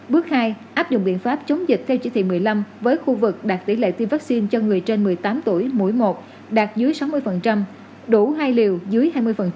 bước hai áp dụng biện pháp chống dịch theo chỉ thị một mươi năm với khu vực đạt tỷ lệ tiêm vaccine cho người trên một mươi tám tuổi mỗi một đạt dưới sáu mươi đủ hai liều dưới hai mươi